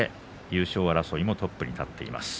優勝争いのトップに立っています。